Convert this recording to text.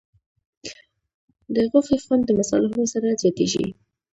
د غوښې خوند د مصالحو سره زیاتېږي.